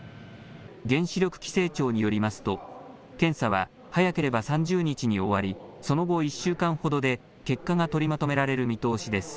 原子力規制庁によりますと、検査は早ければ３０日に終わり、その後１週間ほどで結果が取りまとめられる見通しです。